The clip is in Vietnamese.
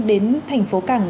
đến thành phố cảng